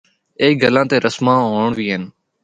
اے گلاں تے رسماں ہونڑ وی ہن۔